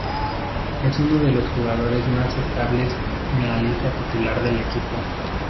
Es uno de los jugadores más estables en la lista titular del equipo.